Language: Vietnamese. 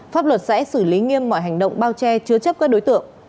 pháp luật sẽ xử lý nghiêm mọi hành động bao che chứa chấp các đối tượng